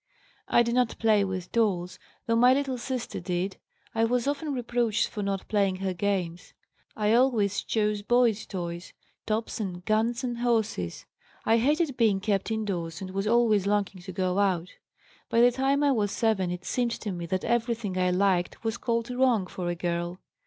"I did not play with dolls, though my little sister did. I was often reproached for not playing her games. I always chose boys' toys, tops and guns and horses; I hated being kept indoors and was always longing to go out. By the time I was 7 it seemed to me that everything I liked was called wrong for a girl.